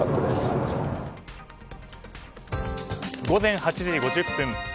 午前８時５０分。